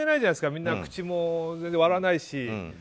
みんな、口も割らないし。